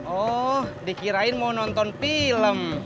oh dikirain mau nonton film